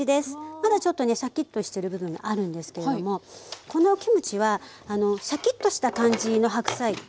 まだちょっとねシャキッとしてる部分があるんですけれどもこのキムチはシャキッとした感じの白菜のキムチなんですね。